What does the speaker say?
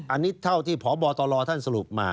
อันนี้เท่าที่พบตรท่านสรุปมา